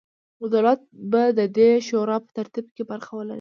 دولت به د دې شورا په ترتیب کې برخه ولري.